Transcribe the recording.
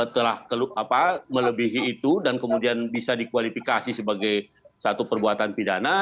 telah melebihi itu dan kemudian bisa dikualifikasi sebagai satu perbuatan pidana